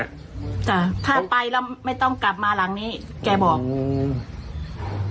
จ้ะถ้าไปแล้วไม่ต้องกลับมาหลังนี้แกบอกอืม